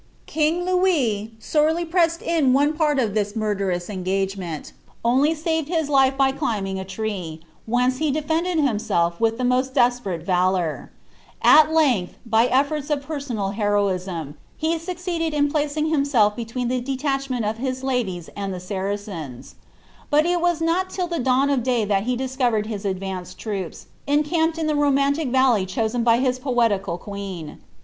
King Louis, sorely pressed iu one fwt of Ibis murderous engagement, only saved his life by climbing a tnv, whence he defended himself with the most desperate valour.' At 'rn£lh, by elTori* of personal heroism, he succeeded in placing himself •riwetu the dctarhment of his ladies and the Saracens. But it was not >.: iIm dawn of day that he discovered Ids advanced troops, encamped .^1 lh« fucnaaiic valley chosen by his poetical queen.